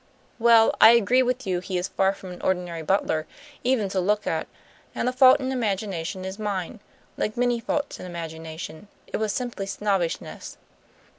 Well, I agree with you he is far from an ordinary butler, even to look at; and the fault in imagination is mine. Like many faults in imagination, it was simply snobbishness."